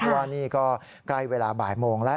ว่านี่ก็ใกล้เวลาบ่ายโมงแล้ว